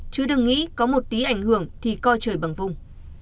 chứ đừng nghĩ có một tí ảnh hưởng thì co trời bằng vùng